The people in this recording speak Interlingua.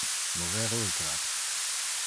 Mover ultra.